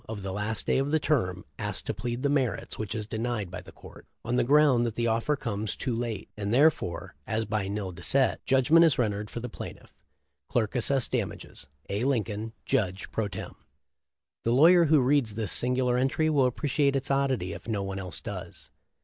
of the last day of the term, ask to plead to the merits, which is denied by the court on the ground that the offer comes too late, and there fore, as by nil dicet, judgment is rendered for Pl'ff. Clerk assess damages. A. Lincoln, Judge pro tern/ >: The lawyer who reads this singular entry will appreciate its oddity if no one else does.